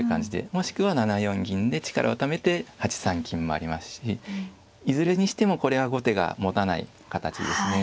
もしくは７四銀で力をためて８三金もありますしいずれにしてもこれは後手がもたない形ですね。